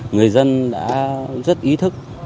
người dân đã rất ý thức